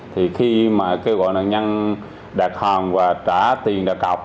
thì khi mà kêu gọi nạn nhân đạt hàng và trả tiền đạt cọc